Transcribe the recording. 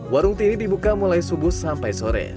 warung tiri dibuka mulai subuh sampai sore